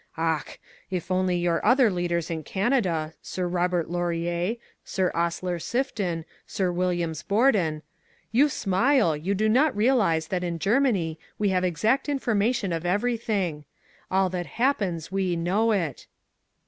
Ach! if only your other leaders in Canada, Sir Robert Laurier, Sir Osler Sifton, Sir Williams Borden, you smile, you do not realize that in Germany we have exact information of everything: all that happens, we know it."